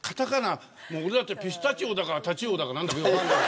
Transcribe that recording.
もう俺だってピスタチオだかタチウオだかなんだかよくわかんない。